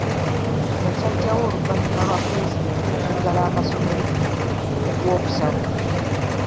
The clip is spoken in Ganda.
Kino kyajjawo oluvannyuma lwa Pulezidenti okuggala amasomero mu Gwokusatu.